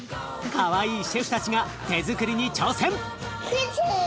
かわいいシェフたちが手づくりに挑戦！